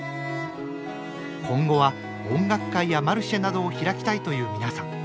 今後は音楽会やマルシェなどを開きたいという皆さん。